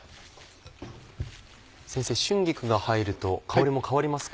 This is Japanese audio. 先生春菊が入ると香りも変わりますか？